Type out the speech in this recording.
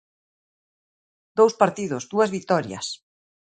Dous partidos, dúas vitorias.